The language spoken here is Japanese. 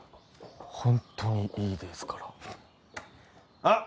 ホントにいいですからあッ！